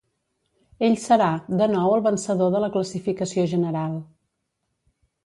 Ell serà, de nou el vencedor de la classificació general.